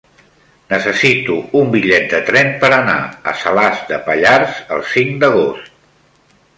Necessito un bitllet de tren per anar a Salàs de Pallars el cinc d'agost.